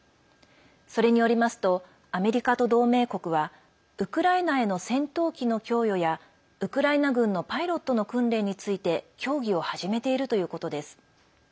それによりますとアメリカと同盟国はウクライナへの戦闘機の供与やウクライナ軍のパイロットの訓練について協議を始めているということです。